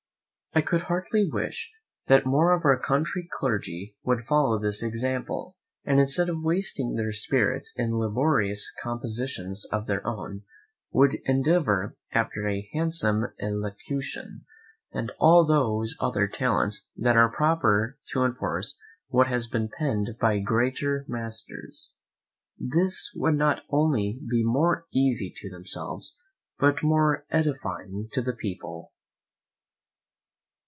I could heartily wish that more of our country clergy would follow this example; and instead of wasting their spirits in laborious compositions of their own, would endeavour after a handsome elocution, and all those other talents that are proper to enforce what has been penned by greater masters. This would not only be more easy to themselves, but more edifying to the people.